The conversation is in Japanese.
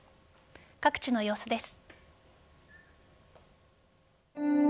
各地の様子です。